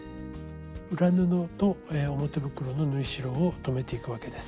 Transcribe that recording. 裏布と表袋の縫い代を留めていくわけです。